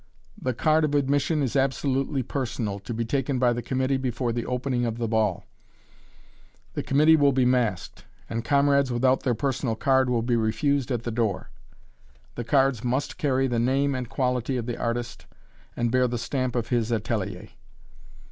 The card of admission is absolutely personal, to be taken by the committee before the opening of the ball. [Illustration: (admission card)] The committee will be masked, and comrades without their personal card will be refused at the door. The cards must carry the name and quality of the artist, and bear the stamp of his atelier.